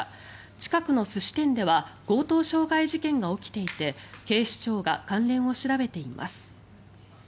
近くの寿司店では強盗傷害事件が起きていて警視庁が関連を調べています。